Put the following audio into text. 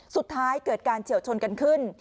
สุดท้ายเกิดการเฉียวชนกันขึ้น